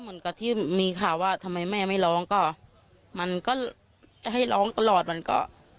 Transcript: เหมือนกับที่มีข่าวว่าทำไมแม่ไม่ร้องก็มันก็จะให้ร้องตลอดมันก็